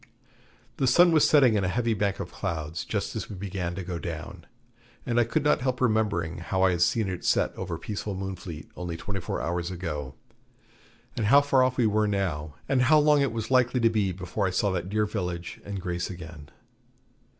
The sun was setting in a heavy bank of clouds just as we began to go down, and I could not help remembering how I had seen it set over peaceful Moonfleet only twenty four hours ago; and how far off we were now, and how long it was likely to be before I saw that dear village and Grace again.